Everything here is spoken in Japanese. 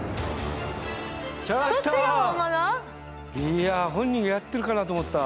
いや本人がやってるかなと思った。